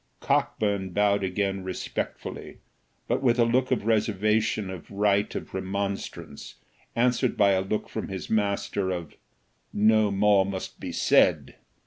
Cockburn bowed again respectfully, but with a look of reservation of right of remonstrance, answered by a look from his master, of "No more must be said."